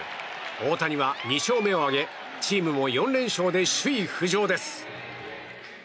大谷は２勝目を挙げチームも４連勝で首位浮上です。